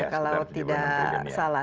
kalau tidak salah